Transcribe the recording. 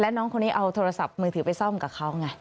น้องคนนี้เอาโทรศัพท์มือถือไปซ่อมกับเขาไง